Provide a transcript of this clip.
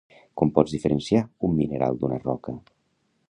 Com pots diferenciar un mineral d'una roca?